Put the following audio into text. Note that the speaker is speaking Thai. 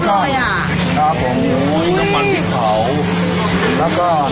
ครับผมน้ำมันพริกเผาแล้วก็น้ำปลา